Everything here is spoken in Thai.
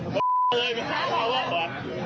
มอร์ไอ้มาหาว่า